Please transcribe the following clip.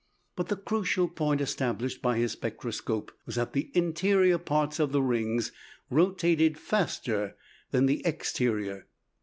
But the crucial point established by his spectroscope was that the interior part of the rings rotates faster than the exterior.